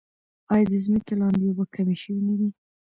آیا د ځمکې لاندې اوبه کمې شوې نه دي؟